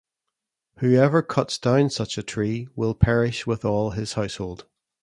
Whoever cuts down such a tree will perish with all his household.